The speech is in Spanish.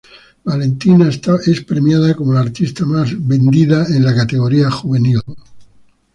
Valentina es premiada como la artista más vendida de la categoría Juvenil.